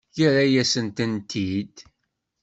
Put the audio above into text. Yerra-yasen-tent-id.